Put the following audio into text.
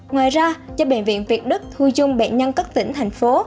ngoài ra cho bệnh viện việt đức thu dung bệnh nhân các tỉnh thành phố